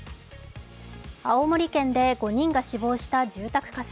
青森県で５人が死亡した住宅火災。